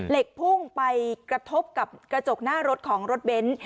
เหล็กพุ่งไปกระทบกับกระจกหน้ารถของรถเบนท์